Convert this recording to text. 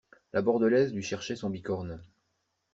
La Bordelaise lui cherchait son bicorne.